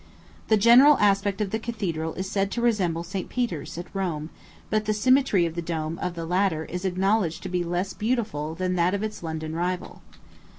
The general aspect of the cathedral is said to resemble St. Peter's, at Rome, but the symmetry of the dome of the latter is acknowledged to be less beautiful than that of its London rival.